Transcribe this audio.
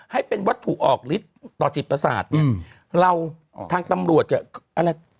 ให้เป็นวัตถุออกฤทธิ์ต่อจิตประสาทเนี่ยเราทางตำรวจจะ